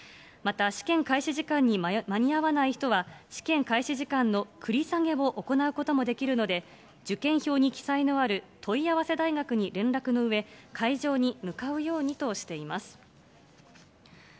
また、試験開始時間に間に合わない人は、試験開始時間の繰り下げを行うことができるので、受験票に記載のある問い合わせ大学に連絡のうえ、会場に向かうようにとしています。